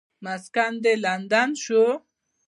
مسکن دې لندن شو.